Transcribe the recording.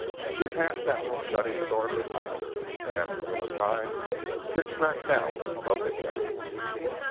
She passed out, shutting the door behind her, and after a little time, Dick Bracknell spoke again.